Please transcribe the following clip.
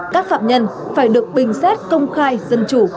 các phạm nhân phải được bình xét công khai dân chủ